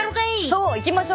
そういきましょう。